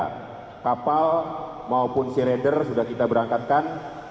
nah kapal maupun searader sudah kita berangkatkan